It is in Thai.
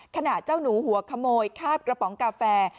ขณะเจ้าหนูหัวขโมยคาบกระป๋องกาแฟ